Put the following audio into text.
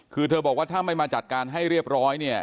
คือเธอบอกว่าถ้าไม่มาจัดการให้เรียบร้อยเนี่ย